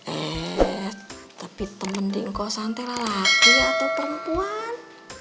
eh tapi temen di kosan itu lelaki atau perempuan